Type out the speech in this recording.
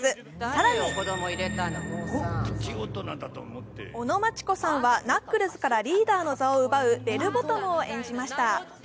更に尾野真千子さんはナックルズからリーダーの座を奪うベル・ボトムを演じました。